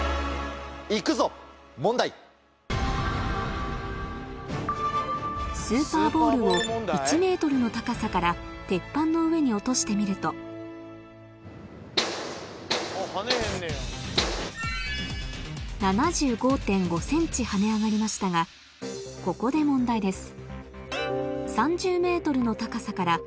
行くぞ問題。を１ｍの高さから鉄板の上に落としてみると跳ね上がりましたがここで問題です